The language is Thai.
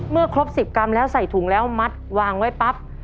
ครบ๑๐กรัมแล้วใส่ถุงแล้วมัดวางไว้ปั๊บ